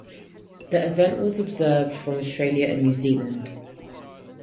The event was observed from Australia and New Zealand.